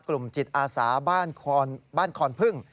กลุ่มจิตอาสาบ้านคอนพึ่ง